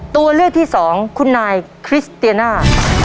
ตัวเลือกที่สองคุณนายคริสเตียน่า